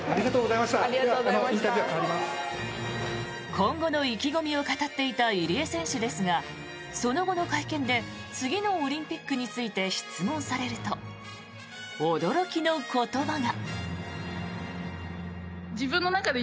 今後の意気込みを語っていた入江選手ですがその後の会見で次のオリンピックについて質問されると驚きの言葉が。